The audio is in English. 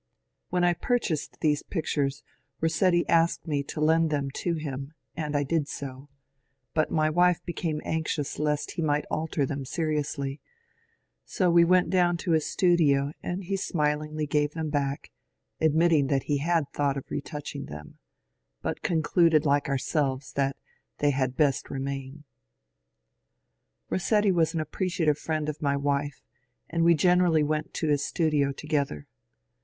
When I purchased these pictures Rossetti asked me to lend them to him and I did so ; but my wife became anxious lest he might alter them seriously ; so we went down to his studio and he smilingly gave them back, admitting that he had thought of retouching them, but concluded like ourselves that they had best remain. Rossetti was an appreciative friend of my wife, and we gen erally went to his studio together.